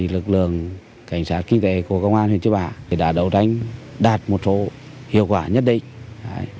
lực lượng cảnh sát kinh tế của công an huyện chư bả đã đấu tranh đạt một số hiệu quả nhất định